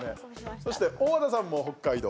そして、大和田さんも北海道。